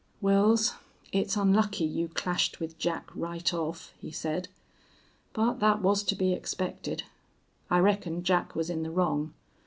"Wils, it's onlucky you clashed with Jack right off," he said. "But thet was to be expected. I reckon Jack was in the wrong.